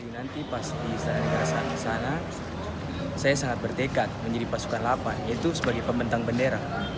nanti pas di istana negara sana saya sangat bertekad menjadi pasukan lapan itu sebagai pembentang bendera